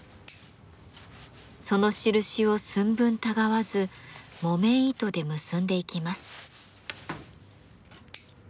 その印を寸分たがわず木綿糸で結んでいきます。